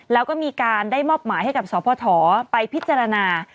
แล้วก็มีการได้มอบหมายให้กับสพไปพิจารณา